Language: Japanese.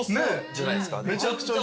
じゃないですか。